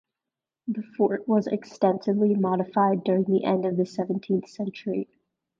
The fort was extensively modified during the end of the seventeenth century.